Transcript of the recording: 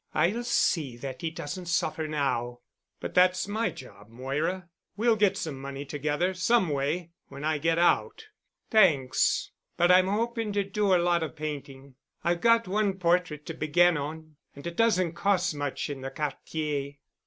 I'll see that he doesn't suffer now." "But that's my job, Moira. We'll get some money together—some way—when I get out." "Thanks. But I'm hoping to do a lot of painting. I've got one portrait to begin on—and it doesn't cost much in the Quartier."